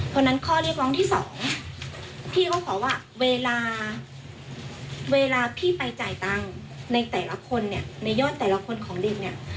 เพราะฉะนั้นข้อเรียกร้องที่สองพี่เขาขอว่าเวลาเวลาพี่ไปจ่ายตังค์ในแต่ละคนเนี่ยในยอดแต่ละคนของลิงเนี่ย